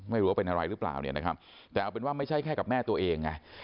ไม่รู้ว่าเป็นอะไรหรือเปล่าแต่เอาเป็นว่าไม่ใช่แค่กับแม่ตัวเอง